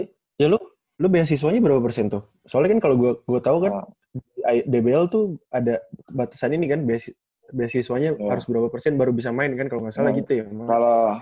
iya lu lo beasiswanya berapa persen tuh soalnya kan kalau gue tau kan di dbl tuh ada batasan ini kan beasiswanya harus berapa persen baru bisa main kan kalau nggak salah gitu ya